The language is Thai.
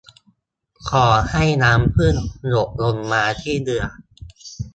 ขอให้น้ำผึ้งหยดลงมาที่เรือ